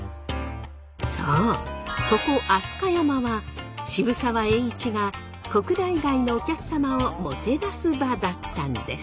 そうここ飛鳥山は渋沢栄一が国内外のお客様をもてなす場だったんです。